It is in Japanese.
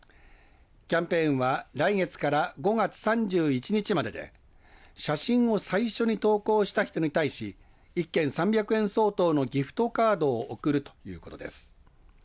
キャンペーンは来月から５月３１日までで写真を最初に投稿した人に対し１件３００円相当のギフトカードを送るということです。